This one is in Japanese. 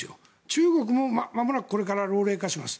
中国もまもなくこれから老齢化します。